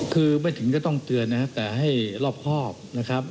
คือไม่ถึงก็ต้องเตือนนะครับแต่ให้รอบครอบนะครับ